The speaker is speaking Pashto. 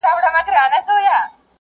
زه اوس سبا ته پلان جوړوم؟!